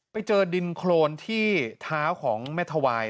ไปเจอดินโครนที่เท้าของแม่ทวาย